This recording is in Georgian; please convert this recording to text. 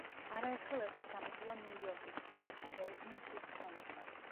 არაერთხელ ერთად გამოსულან ნიუ-იორკის, თბილისის, ბერლინის დიდ სცენებზე.